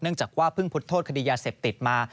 เนื่องจากว่าพึ่งพุดโทษคดียาเสพติดมา